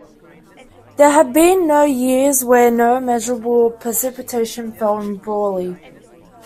There have been no years when no measurable precipitation fell in Brawley.